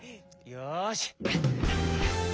よし。